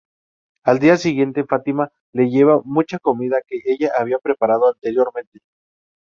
Al día siguiente, Fatima le lleva mucha comida que ella había preparado anteriormente.